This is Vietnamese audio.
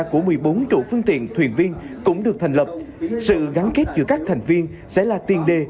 của một mươi bốn chủ phương tiện thuyền viên cũng được thành lập sự gắn kết giữa các thành viên sẽ là tiền đề